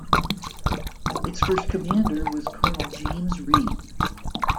Its first commander was Colonel James Reed.